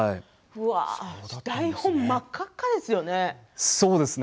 台本、真っ赤っかですよね。